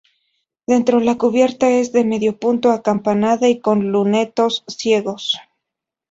Dentro la cubierta es de medio punto acampanada y con lunetos ciegos.